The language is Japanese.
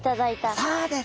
そうです！